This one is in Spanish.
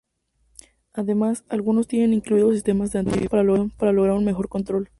Además, algunos tienen incluidos sistemas de anti-vibración para lograr un mejor control.